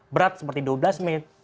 berat seperti dua belas menit